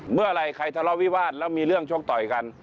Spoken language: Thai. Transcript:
เมื่อไหร่ใครทะเลาวิวาสแล้วมีเรื่องชกต่อยกัน